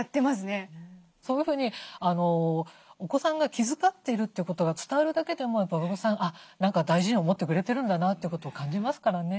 そういうふうにお子さんが気遣ってるということが伝わるだけでも親御さん何か大事に思ってくれてるんだなということを感じますからね。